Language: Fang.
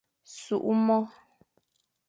Sukh môr.